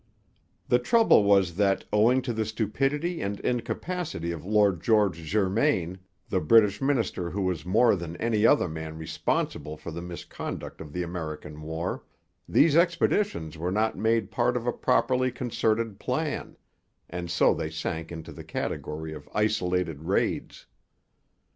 The trouble was that, owing to the stupidity and incapacity of Lord George Germain, the British minister who was more than any other man responsible for the misconduct of the American War, these expeditions were not made part of a properly concerted plan; and so they sank into the category of isolated raids.